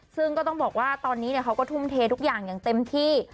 ซึ่งก็ต้องบอกว่าตอนนี้เขาก็ทุ่มเททุกอย่างอย่างเต็มที่